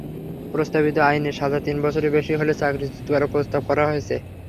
প্রস্তাবিত আইনে সাজা তিন বছরের বেশি হলে চাকরিচ্যুত করার প্রস্তাব করা হয়েছে।